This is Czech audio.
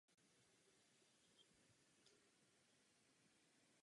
Film měl být inspirován skutečnou událostí.